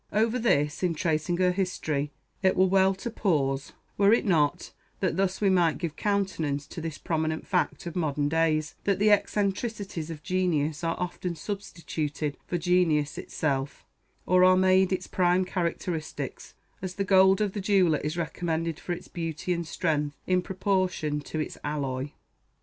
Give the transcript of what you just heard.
Over this, in tracing her history, it were well to pause, were it not that thus we might give countenance to this prominent fact of modern days, that the eccentricities of genius are often substituted for genius itself, or are made its prime characteristics, as the gold of the jeweller is recommended for its beauty and strength in proportion to its alloy.